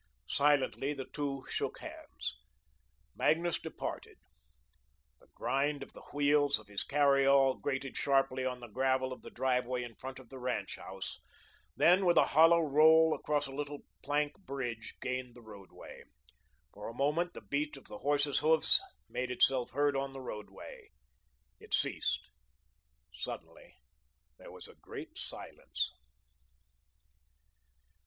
Silently the two shook hands. Magnus departed. The grind of the wheels of his carry all grated sharply on the gravel of the driveway in front of the ranch house, then, with a hollow roll across a little plank bridge, gained the roadway. For a moment the beat of the horses' hoofs made itself heard on the roadway. It ceased. Suddenly there was a great silence.